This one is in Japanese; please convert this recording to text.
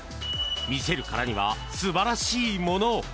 見せるからには素晴らしいものを。